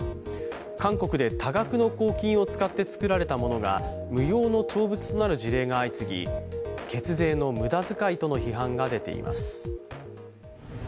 韓国で多額の公金を使って造られたものが無用の長物となる事例が相次ぎ血税の無駄遣いとの批判が出ています。